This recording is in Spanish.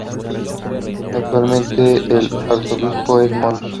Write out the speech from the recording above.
Actualmente el Arzobispo es Mons.